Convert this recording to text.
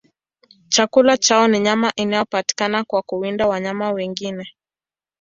Chakula chao ni nyama inayopatikana kwa kuwinda wanyama wengine.